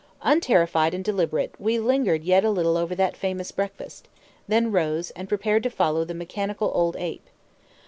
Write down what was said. Unterrified and deliberate, we lingered yet a little over that famous breakfast, then rose, and prepared to follow the mechanical old ape.